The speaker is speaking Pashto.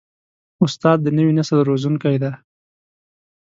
استاد د نوي نسل روزونکی دی.